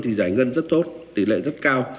thì giải ngân rất tốt tỷ lệ rất cao